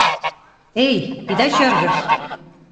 — Эй, ида чаргыж!